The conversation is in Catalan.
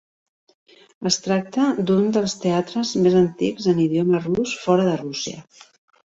Es tracta d'un dels teatres més antics en idioma rus fora de Rússia.